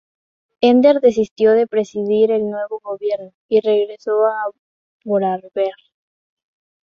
Ender desistió de presidir el nuevo Gobierno y regresó a Vorarlberg.